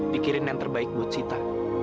pikirin yang terbaik buat sita